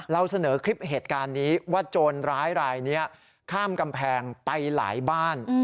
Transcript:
เราเสนอคลิปเหตุการณ์นี้ว่าโจรร้ายรายนี้ข้ามกำแพงไปหลายบ้าน